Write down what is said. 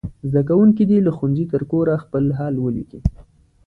زده کوونکي دې له ښوونځي تر کوره خپل حال ولیکي.